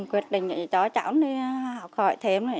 quyết định cho cháu đi học khỏi thêm